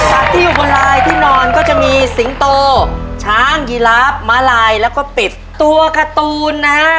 ที่อยู่บนลายที่นอนก็จะมีสิงโตช้างยีลาฟม้าลายแล้วก็ปิดตัวการ์ตูนนะฮะ